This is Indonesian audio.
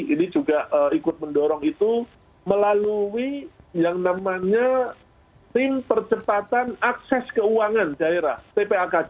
ini juga ikut mendorong itu melalui yang namanya tim percepatan akses keuangan daerah tpakj